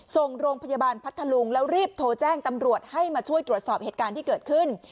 ส่งโรงพยาบาลพัทธลุงแล้วรีบโทรแจ้งตำรวจให้มาช่วยตรวจสอบเหตุการณ์ที่เกิดขึ้น